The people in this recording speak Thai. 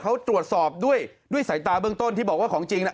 เขาตรวจสอบด้วยด้วยสายตาเบื้องต้นที่บอกว่าของจริงน่ะ